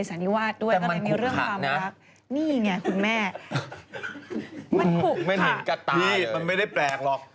ถ้ามีระดับตาเลยพี่มันไม่ได้แปลกหรอก